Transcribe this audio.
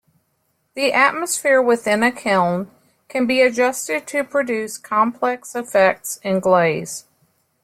The atmosphere within a kiln can be adjusted to produce complex effects in glaze.